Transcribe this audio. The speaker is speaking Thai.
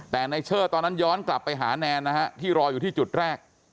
แต่ในเชิดตอนนั้นย้อนกลับไปหาแนนนะฮะที่รออยู่ที่จุดแรก